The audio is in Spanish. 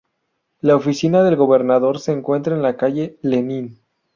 La oficina del gobernador se encuentra en la calle Lenin.